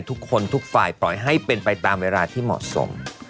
ทุกฝ่ายปล่อยให้เป็นไปตามเวลาที่เหมาะสม